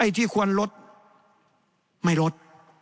ที่ควรลดไม่ลด